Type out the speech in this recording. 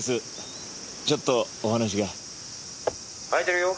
「開いてるよ。